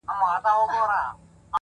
د سترگو هره ائينه کي مي جلا ياري ده ـ